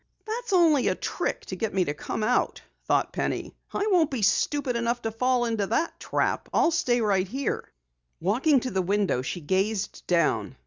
"That's only a trick to get me to come out," thought Penny. "I won't be stupid enough to fall into his trap. I'll stay right here." Walking to the window, she gazed down.